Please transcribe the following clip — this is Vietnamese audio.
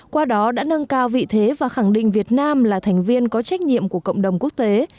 qua đó đã nâng cao vị thế và khẳng định việt nam là thành viên có trách nhiệm của cộng đồng quốc tế